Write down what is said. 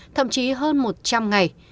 thậm chí hơn một trăm linh ngày